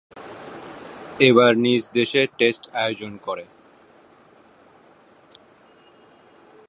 এবার নিজ দেশে টেস্ট আয়োজন করে।